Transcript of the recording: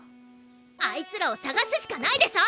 あいつらをさがすしかないでしょ！